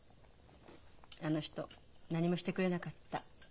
あの人何もしてくれなかった。